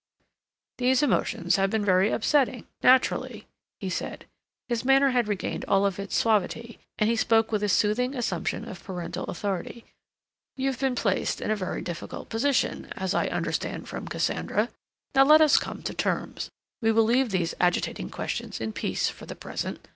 "These emotions have been very upsetting, naturally," he said. His manner had regained all its suavity, and he spoke with a soothing assumption of paternal authority. "You've been placed in a very difficult position, as I understand from Cassandra. Now let us come to terms; we will leave these agitating questions in peace for the present.